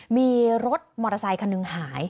มีรถมอเตอร์ไซคันหนึ่งหาย